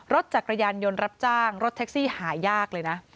รถจักรยานยนต์รับจ้างรถแท็กซี่หายากเลยนะ